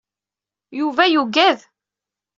Yuba yuggad.